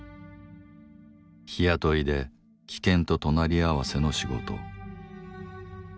日雇いで危険と隣り合わせの仕事。